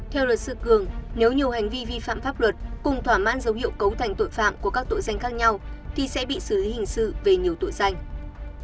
theo luật sư cường nếu nhiều hành vi vi phạm pháp luật cùng thỏa mãn dấu hiệu cấu thành tội phạm của các tội danh khác nhau thì sẽ bị xử lý hình sự về nhiều tội danh